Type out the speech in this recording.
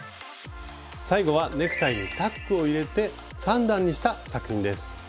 最後はネクタイにタックを入れて３段にした作品です。